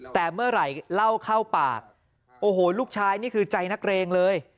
แต่เมื่อไหร่เล่าเข้าปากโอ้โหลูกชายนี่คือใจนักเรงเลย